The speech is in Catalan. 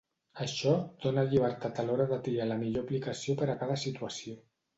Això dóna llibertat a l'hora de triar la millor aplicació per a cada situació.